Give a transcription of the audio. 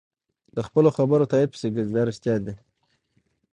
د خپلو خبرو تایید پسې ګرځي دا رښتیا دي.